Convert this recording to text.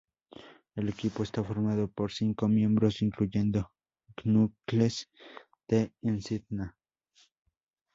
El equipo está formado por cinco miembros, incluyendo a Knuckles the Echidna.